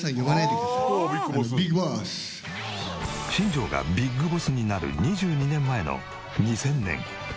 新庄がＢＩＧＢＯＳＳになる２２年前の２０００年。